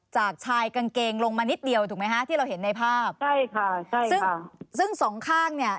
จากชายกางเกงลงมานิดเดียวถูกไหมฮะที่เราเห็นในภาพใช่ค่ะใช่ซึ่งซึ่งสองข้างเนี่ย